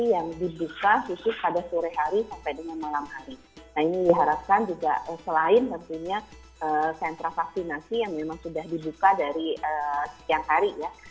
nah ini diharapkan juga selain tentunya sentra vaksinasi yang memang sudah dibuka dari siang hari ya